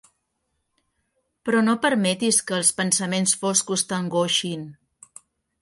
Però no permetis que els pensaments foscos t'angoixin.